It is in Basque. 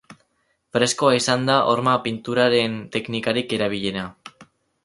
Freskoa izan da horma pinturaren teknikarik erabiliena.